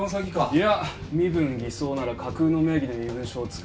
いや身分偽装なら架空の名義で身分証を作る。